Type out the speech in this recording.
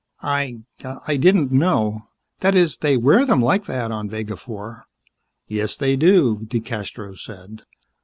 I I didn't know that is, they wear them like that on Vega Four." "Yes, they do," DeCastros said.